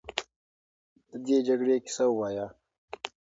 د دې جګړې کیسه ووایه.